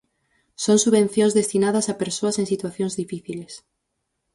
Son subvencións destinadas a persoas en situacións difíciles.